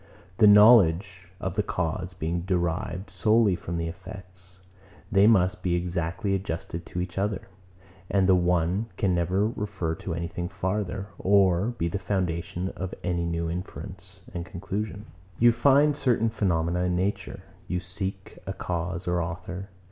The knowledge of the cause being derived solely from the effect, they must be exactly adjusted to each other; and the one can never refer to anything farther, or be the foundation of any new inference and conclusion. You find certain phenomena in nature. You seek a cause or author.